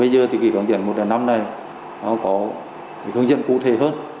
bây giờ thì hướng dẫn một trăm linh năm này có hướng dẫn cụ thể hơn